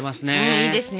いいですね。